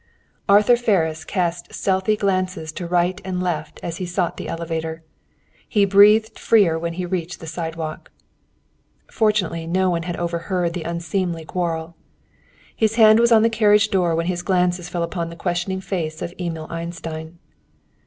Arthur Ferris cast stealthy glances to right and left as he sought the elevator. He breathed freer when he reached the sidewalk. Fortunately, no one had overheard the unseemly quarrel. His hand was on the carriage door when his glances fell upon the questioning face of Emil Einstein.